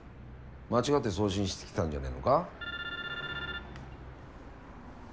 間違って送信してきたんじゃねぇのか？